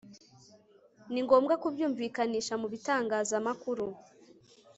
ni ngombwa kubyumvikanisha mu bitangazamakuru